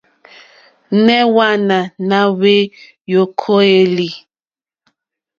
Nɛh Hwaana na hweyokoeli?